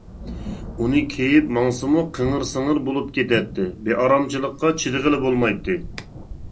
ئۇنى كىيىپ ماڭسىمۇ قىڭغىر-سىڭغىر بولۇپ كېتەتتى، بىئارامچىلىققا چىدىغىلى بولمايتتى.